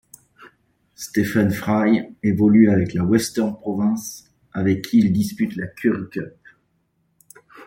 Stephen Fry évolue avec la Western Province avec qui il dispute la Currie Cup.